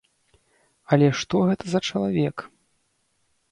Але што гэта за чалавек?